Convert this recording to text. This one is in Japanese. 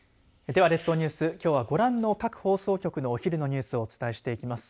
では列島ニュースきょうはご覧の各放送局のお昼のニュースをお伝えしていきます。